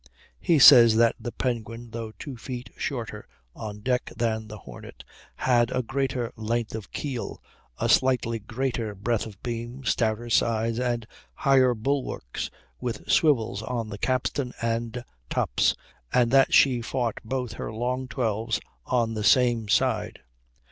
He says that the Penguin, though two feet shorter on deck than the Hornet, had a greater length of keel, a slightly greater breadth of beam, stouter sides, and higher bulwarks, with swivels on the capstan and tops, and that she fought both her "long 12's" on the same side.